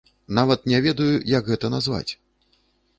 Нават не ведаю, як гэта назваць.